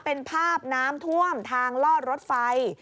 เป็นภาพน้ำท่วมทางลอดรถไฟ